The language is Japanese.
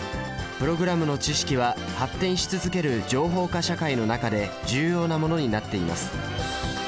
プログラムの知識は発展し続ける情報化社会の中で重要なものになっています。